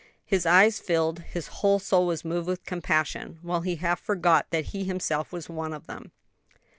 His eyes filled; his whole soul was moved with compassion, while he half forgot that he himself was one of them.